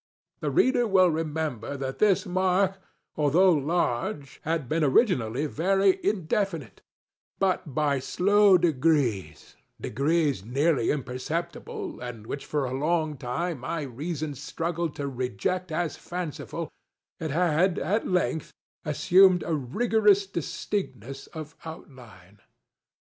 The reader will remember that this mark, although large, had been originally very indefinite; but, by slow degreesŌĆödegrees nearly imperceptible, and which for a long time my reason struggled to reject as fancifulŌĆöit had, at length, assumed a rigorous distinctness of outline.